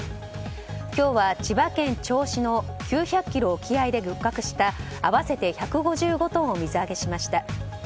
今日は千葉県銚子の９００ｋｍ沖合で漁獲した合わせて１５５トンを水揚げしました。